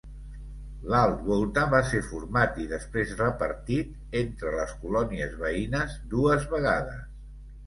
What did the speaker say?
L'Alt Volta va ser format i després repartit entre les colònies veïnes dues vegades.